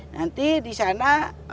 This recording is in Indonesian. nanti di sana